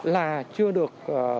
là chưa được